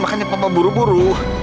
makanya papa buru buru